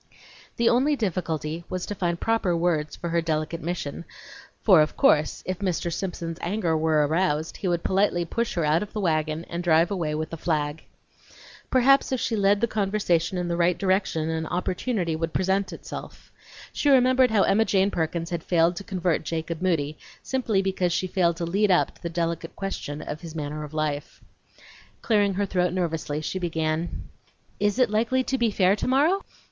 The only difficulty was to find proper words for her delicate mission, for, of course, if Mr. Simpson's anger were aroused, he would politely push her out of the wagon and drive away with the flag. Perhaps if she led the conversation in the right direction an opportunity would present itself. She well remembered how Emma Jane Perkins had failed to convert Jacob Moody, simply because she failed to "lead up" to the delicate question of his manner of life. Clearing her throat nervously, she began: "Is it likely to be fair tomorrow?"